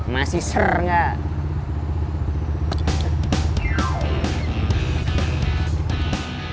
masih ser gak